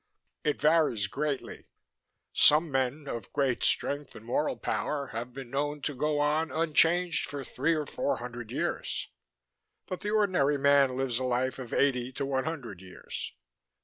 "It varies greatly. Some men, of great strength and moral power, have been known to go on unchanged for three or four hundred years. But the ordinary man lives a life of eighty to one hundred years."